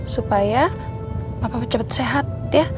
supaya papa cepet sehat ya